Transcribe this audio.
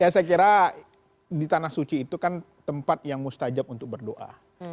ya saya kira di tanah suci itu kan tempat yang mustajab untuk berdoa